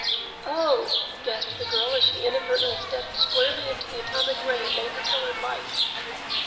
"Oh h h!" gasped the girl as she inadvertently stepped squarely into the atomic ray of amber colored light.